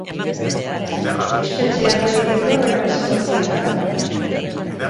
Espetxean lo egiteko baino ez egotea dakar horrek.